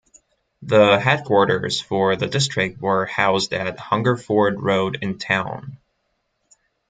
The headquarters for the district were housed at Hungerford Road in town.